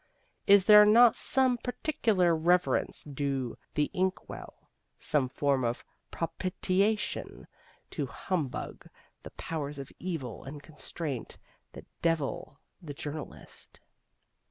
Is there not some particular reverence due the ink well, some form of propitiation to humbug the powers of evil and constraint that devil the journalist?